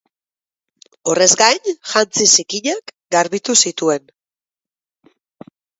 Horrez gain, jantzi zikinak garbitu zituen.